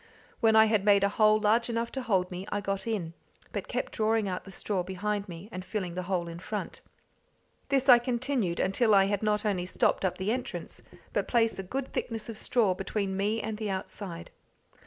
When I had made a hole large enough to hold me, I got in, but kept drawing out the straw behind me, and filling the hole in front. This I continued until I had not only stopped up the entrance, but placed a good thickness of straw between me and the outside.